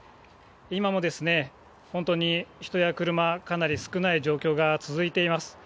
今も本当に人や車、かなり少ない状況が続いています。